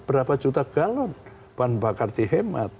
berapa juta galon bahan bakar dihemat